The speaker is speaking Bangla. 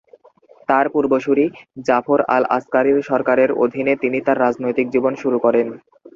তার পূর্বসূরি জাফর আল-আসকারির সরকারের অধীনে তিনি তার রাজনৈতিক জীবন শুরু করেন।